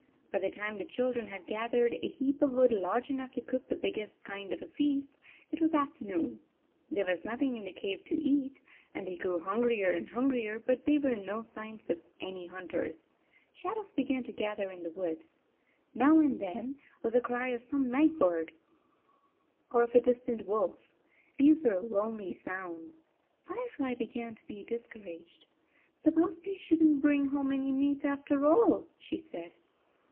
By the time the children had gathered a heap of wood large enough to cook the big gest kind of a feast, it was afternoon. There was nothing in the cave to eat, and they grew hungrier and hungrier, but there were no signs of any hunters. Shadows began to gather in the woods. Now and then there 28 was a cry of some night bird, or of a dis tant wolf. These were lonely sounds. Fire fly began to be discouraged ." Suppose they should n t bring home any meat after all," she said.